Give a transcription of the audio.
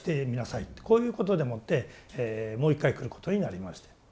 こういうことでもってもう一回来ることになりまして。